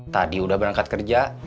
tadi udah berangkat kerja